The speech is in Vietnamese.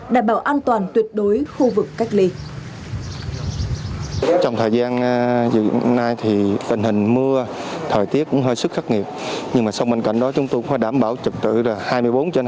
đảm bảo an toàn tuyệt đối khu vực cách ly